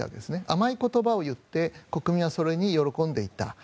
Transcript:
甘い言葉を言って国民はそれに喜んでいた。